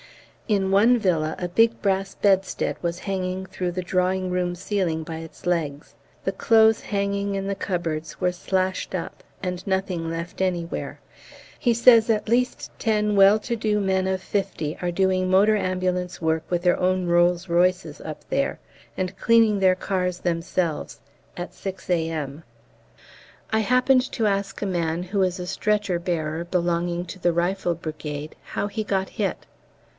In one villa a big brass bedstead was hanging through the drawing room ceiling by its legs, the clothes hanging in the cupboards were slashed up, and nothing left anywhere. He says at least ten well to do men of 50 are doing motor ambulance work with their own Rolls Royces up there, and cleaning their cars themselves, at 6 A.M. I happened to ask a man, who is a stretcher bearer belonging to the Rifle Brigade, how he got hit.